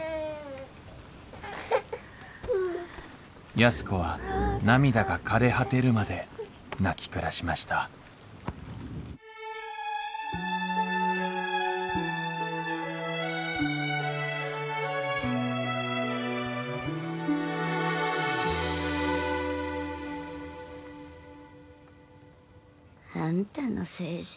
安子は涙がかれ果てるまで泣き暮らしましたあんたのせいじゃ。